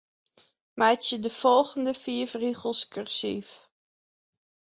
Meitsje de folgjende fiif rigels kursyf.